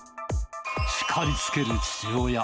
しかりつける父親。